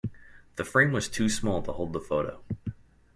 The frame was too small to hold the photo.